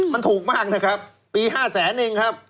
มันถูกมากนะครับปี๕แสนเองครับ